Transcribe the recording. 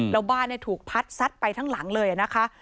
แล้วบ้านถูกพัดซัดไปทั้งหลังเลยนะคะ